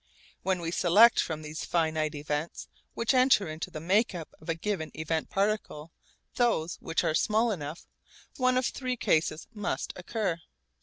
When we select from these finite events which enter into the make up of a given event particle those which are small enough, one of three cases must occur.